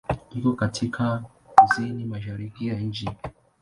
Iko katika kusini-mashariki ya nchi.